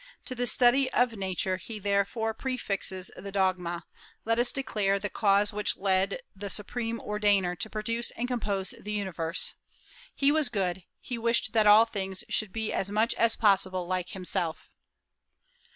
To the study of Nature he therefore prefixes the dogma, 'Let us declare the cause which led the Supreme Ordainer to produce and compose the universe. He was good; ... he wished that all things should be as much as possible like himself.'...